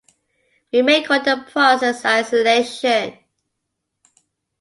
We may call the process isolation.